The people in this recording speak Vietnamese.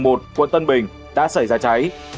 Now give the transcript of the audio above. quận tân bình đã xảy ra cháy